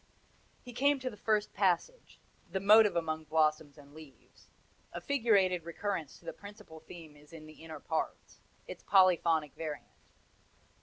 He came to the first passage the motive among blossoms and leaves a figurated recurrence to the principal theme is in the inner parts its polyphonic variant.